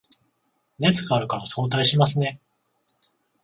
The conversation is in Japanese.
熱があるから早退しますね